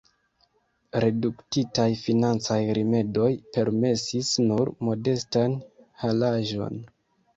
Reduktitaj financaj rimedoj permesis nur modestan halaĵon.